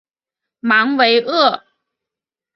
芒维厄。